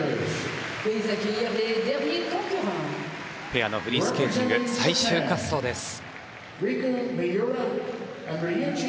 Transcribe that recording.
ペアのフリースケーティング最終滑走です。